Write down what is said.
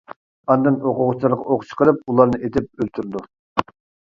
ئاندىن ئوقۇغۇچىلارغا ئوق چىقىرىپ ئۇلارنى ئېتىپ ئۆلتۈرىدۇ.